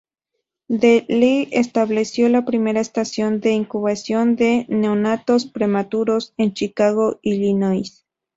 De Lee estableció la primera estación de incubación de neonatos prematuros en Chicago, Illinois.